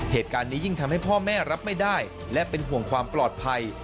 เหตุการณ์นี้ยิ่งทำให้พ่อแม่รับไม่ได้และเป็นห่วงความปลอดภัย